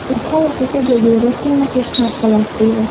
Az állatok egyedül repülnek és nappal aktívak.